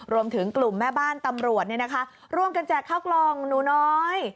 รวมถึงกลุ่มแม่บ้านตำรวจร่วมกันแจกข้าวกล่องหนูน้อย